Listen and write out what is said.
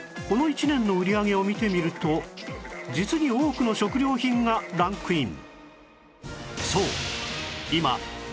この１年の売り上げを見てみると実に多くの食料品がランクイン